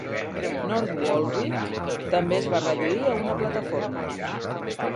North Woolwich també es va reduir a una plataforma.